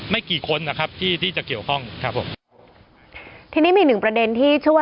กี่คนนะครับที่ที่จะเกี่ยวข้องครับผมทีนี้มีหนึ่งประเด็นที่ชื่อว่า